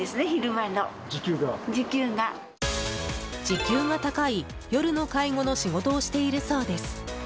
時給が高い夜の介護の仕事をしているそうです。